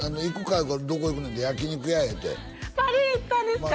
言うから「どこ行くねん」って「焼き肉屋」言うて丸園行ったんですか？